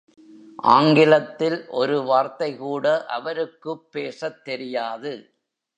ஆங்கிலத்தில் ஒரு வார்த்தைகூட அவருக்குப் பேசத் தெரியாது.